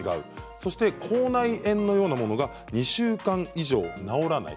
そして口内炎のようなものが２週間以上、治らない。